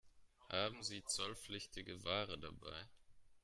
Haben Sie zollpflichtige Ware dabei?